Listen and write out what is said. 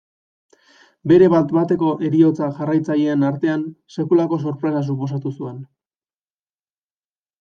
Bere bat bateko heriotza jarraitzaileen artean sekulako sorpresa suposatu zuen.